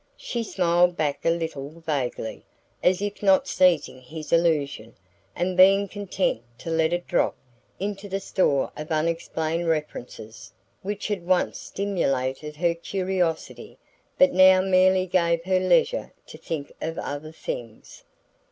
She smiled back a little vaguely, as if not seizing his allusion, and being content to let it drop into the store of unexplained references which had once stimulated her curiosity but now merely gave her leisure to think of other things.